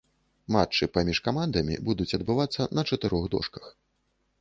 Матчы паміж камандамі будуць адбывацца на чатырох дошках.